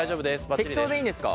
適当でいいんですか？